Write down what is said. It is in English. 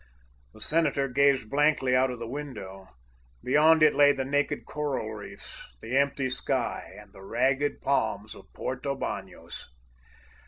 The senator gazed blankly out of the window. Beyond it lay the naked coral reefs, the empty sky, and the ragged palms of Porto Banos.